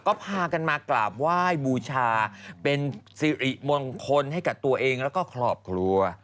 ก็พากันมากราบไหว้บูชาเป็นสิริมงคลให้กับตัวเองแล้วก็ครอบครัว